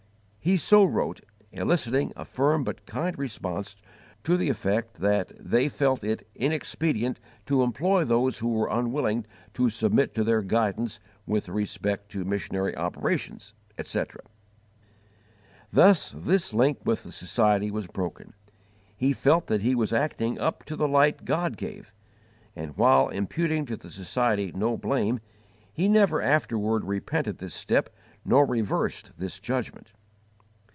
_ He so wrote, eliciting a firm but kind response to the effect that they felt it "inexpedient to employ those who were unwilling to submit to their guidance with respect to missionary operations," etc. Thus this link with the Society was broken. He felt that he was acting up to the light God gave, and, while imputing to the Society no blame, he never afterward repented this step nor reversed this judgment.